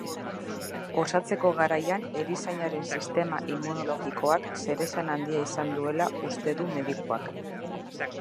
Osatzeko garaian erizainaren sistema immunologikoak zeresan handia izan duela uste du medikuak.